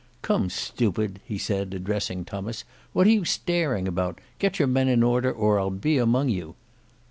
"Come stupid," said he addressing Tummas, "what are you staring about? Get your men in order or I'll be among you."